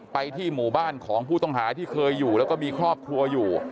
ไปที่หมู่บ้านของผู้ต้องหาที่เคยอยู่แล้วก็มีครอบครัวอยู่